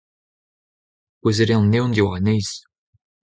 kouezhet eo an evn diwar e neizh.